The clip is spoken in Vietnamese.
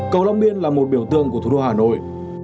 cầu long biên là một biểu tượng của thủ đô hà nội